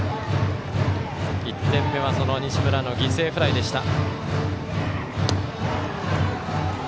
１点目は西村の犠牲フライでした。